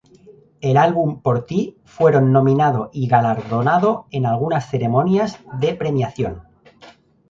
El álbum "Por ti" fueron nominado y galardonado en algunas ceremonias de premiación.